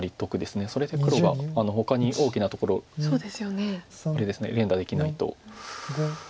それで黒がほかに大きなところ連打できないと。